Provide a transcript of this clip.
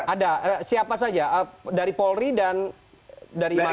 ada siapa saja dari polri dan dari mana